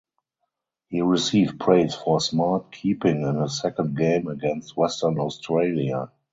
He received praise for "smart" keeping in his second game against Western Australia.